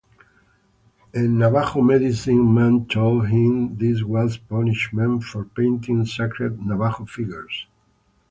A Navajo Medicine man told him this was punishment for painting sacred Navajo figures.